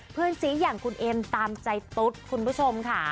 เพื่อนสีอย่างคุณเอมตามใจตุ๊ดคุณผู้ชมค่ะ